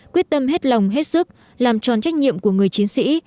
quyết tâm hết lòng hết sức làm tròn trách nhiệm của người chiến sĩ